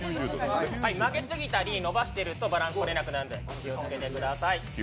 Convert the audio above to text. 曲げすぎたり、伸ばしているとバランスとれなくなるのでお気をつけてください。